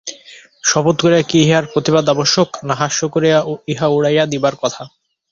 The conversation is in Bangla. শপথ করিয়া কি ইহার প্রতিবাদ আবশ্যক, না হাস্য করিয়া ইহা উড়াইয়া দিবার কথা?